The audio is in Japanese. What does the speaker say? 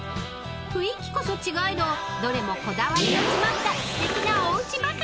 ［雰囲気こそ違えどどれもこだわりの詰まったすてきなおうちばかり］